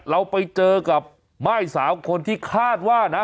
เราไปเจอกับม่ายสาวคนที่คาดว่านะ